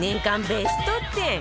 ベスト１０